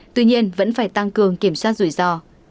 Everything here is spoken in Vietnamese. tuy nhiên vẫn phải tăng cường kiểm soát rủi ro